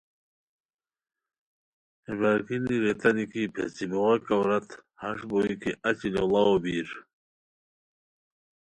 ہے برارگینی ریتانی کی پیڅھی بوغاک عورت ہݰ بوئے کی اچی لوڑاؤ بیر